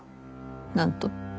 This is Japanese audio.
何と？